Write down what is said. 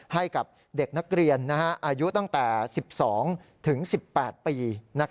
ให้กับเด็กนักเรียนอายุตั้งแต่๑๒ถึง๑๘ปี